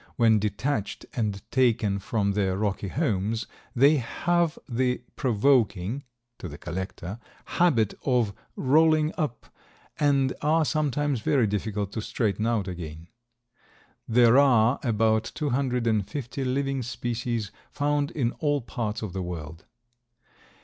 When detached and taken from their rocky homes they have the provoking (to the collector) habit of rolling up and are sometimes very difficult to straighten out again. There are about two hundred and fifty living species, found in all parts of the world.